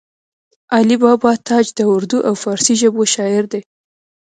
علي بابا تاج د اردو او فارسي ژبو شاعر دی